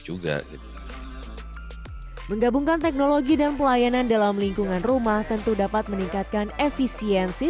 juga menggabungkan teknologi dan pelayanan dalam lingkungan rumah tentu dapat meningkatkan efisiensi